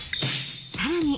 さらに